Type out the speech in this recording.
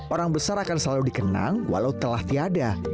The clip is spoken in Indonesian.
orang besar akan selalu dikenang walau telah tiada